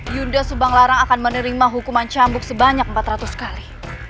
yunda subang larang akan menerima hukuman cambuk sebanyak empat ratus kali